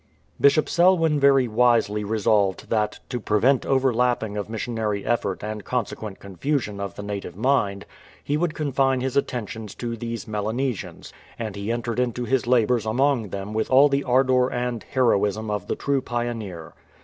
Bishop Selwyn very wisely resolved that, to prevent overlapping of missionary effort and consequent confusion of the native mind, he would confine his attentions to these Melanesians, and he entered into his labours among them with all the ardour and heroism of the true pioneer.